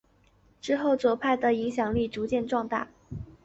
之后左派的影响力逐渐壮大。